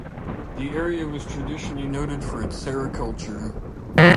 The area was traditionally noted for its sericulture.